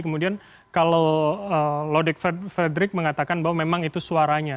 kemudian kalau frederick mengatakan bahwa memang itu suaranya